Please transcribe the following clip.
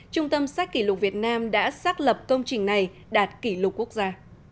trung tâm sách kỷ lục việt nam đã xác lập công trình này đạt kỷ lục quốc gia